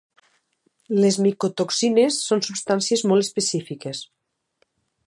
Les micotoxines són substàncies molt específiques.